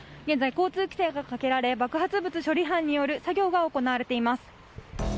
現在、交通規制がかけられ爆発物処理班による作業が行われています。